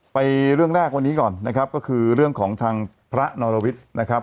ไปเรื่องแรกวันนี้ก่อนนะครับก็คือเรื่องของทางพระนรวิทย์นะครับ